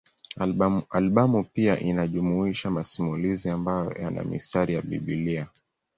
Albamu pia inajumuisha masimulizi ambayo yana mistari ya Biblia.